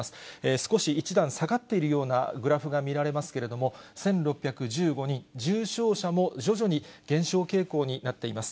少し１段下がっているようなグラフが見られますけれども、１６１５人、重症者も徐々に減少傾向になっています。